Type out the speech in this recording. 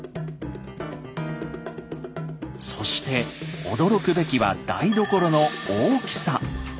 そして驚くべきは台所の大きさ。